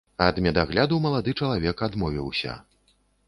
Ад медагляду малады чалавек адмовіўся.